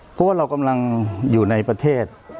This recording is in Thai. เพราะว่าเรากำลังอยู่ในประเทศ